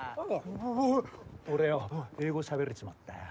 俺よぉ英語しゃべれちまったよ。